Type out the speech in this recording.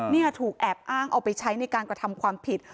เนี่ยถูกแอบอ้างเอาไปใช้ในการกระทำความผิด